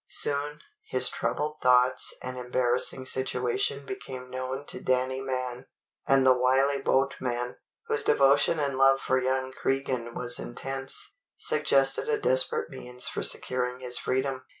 Soon, his troubled thoughts and embarrassing situation became known to Danny Mann; and the wily boatman, whose devotion and love for young Cregan was intense, suggested a desperate means for securing his freedom.